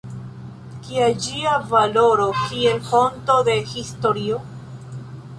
Kia ĝia valoro kiel fonto de historio?